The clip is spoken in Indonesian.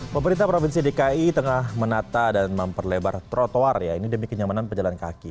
pemerintah provinsi dki tengah menata dan memperlebar trotoar ya ini demi kenyamanan pejalan kaki